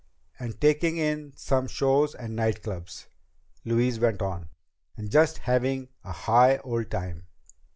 "... and taking in some shows and night clubs," Louise went on, "and just having a high old time."